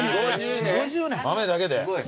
豆だけで。